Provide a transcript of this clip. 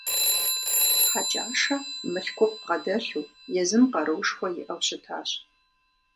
Хьэкӏашэ мылъкуфӏ бгъэдэлъу, езым къаруушхуэ иӏэу щытащ.